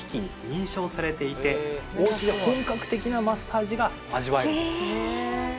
お家で本格的なマッサージが味わえるんです。